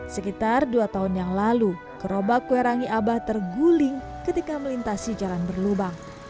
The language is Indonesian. sekitar dua tahun yang lalu gerobak kue rangi abah terguling ketika melintasi jalan berlubang